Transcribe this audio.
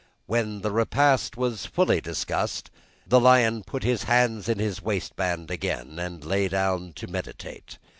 When the repast was fully discussed, the lion put his hands in his waistband again, and lay down to meditate.